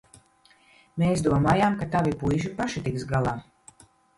Mēs domājām, ka tavi puiši paši tiks galā.